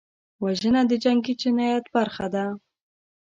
وژنه د جنګي جنایت برخه ده